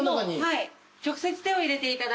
はい。